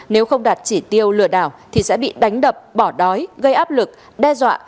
nếu không đạt chỉ tiêu lừa đảo thì sẽ bị đánh đập bỏ đói gây áp lực đe dọa